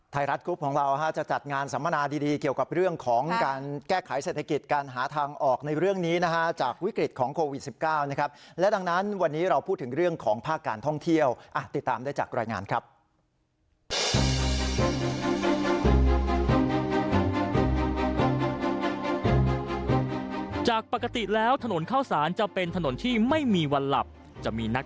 กรุ๊ปของเราจะจัดงานสัมมนาดีเกี่ยวกับเรื่องของการแก้ไขเศรษฐกิจการหาทางออกในเรื่องนี้นะฮะจากวิกฤตของโควิด๑๙นะครับและดังนั้นวันนี้เราพูดถึงเรื่องของภาคการท่องเที่ยวติดตามได้จากรายงานครับ